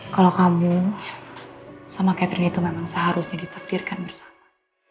kalau kamu sama catherine itu memang seharusnya diterdirkan bersama